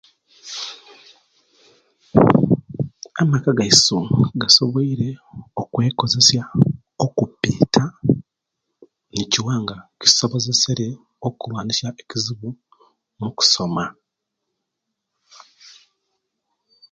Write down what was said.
Amaka gaisu gasoboire okwekozesa okubita nikiwa nga kisobozeseriye okulwanisa ekizibu mukusoma